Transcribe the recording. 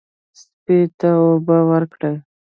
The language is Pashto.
سپي ته اوبه ورکړئ.